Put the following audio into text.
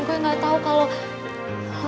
gue gak tau kalau